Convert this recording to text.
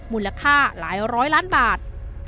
มูลค่าหลายร้อยล้านบาท